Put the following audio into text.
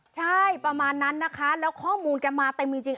ใช่ประมาณนั้นนะคะแล้วข้อมูลแกมาเต็มจริง